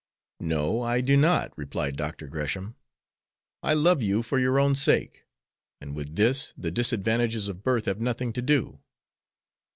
"No, I do not," replied Dr. Gresham. "I love you for your own sake. And with this the disadvantages of birth have nothing to do."